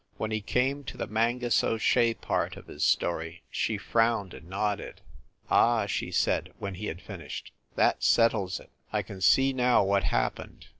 When he came to the Mangus O Shea part of his story she frowned and nodded. "Ah," she said when he had finished, "that settles it. I can see now what happened.